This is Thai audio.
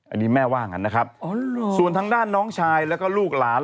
อันนี้แม่ว่างั้นนะครับส่วนทางด้านน้องชายแล้วก็ลูกหลาน